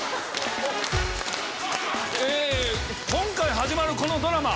今回始まるこのドラマ